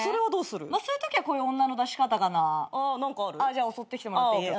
じゃあ襲ってきてもらっていい？